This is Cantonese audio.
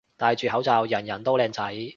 戴住口罩人人都靚仔